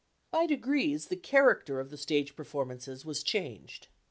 By degrees the character of the stage performances was changed.